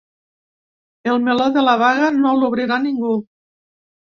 El meló de la vaga no l’obrirà ningú.